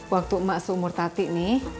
waktu emak seumur tati nih